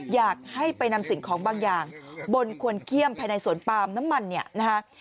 อยากให้ไปนำสิ่งของบางอย่างบนควรเขี้ยมภายในสวนปาล์มน้ำมันเนี่ยนะฮะ